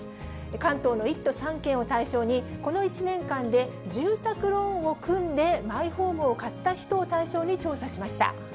関東の１都３県を対象に、この１年間で住宅ローンを組んで、マイホームを買った人を対象に調査しました。